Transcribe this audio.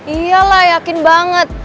iya lah yakin banget